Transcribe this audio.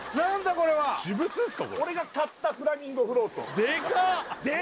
これ俺が買ったフラミンゴフロートデカっ！